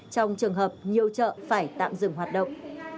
trong trường hợp nhiều chợ phải tạm dừng hoạt động